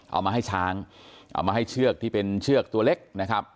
เอามาให้ช้างเอามาให้เชือกที่เป็นเชือกตัวเล็กนะครับ